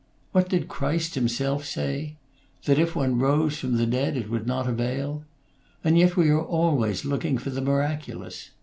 What did Christ himself say? That if one rose from the dead it would not avail. And yet we are always looking for the miraculous!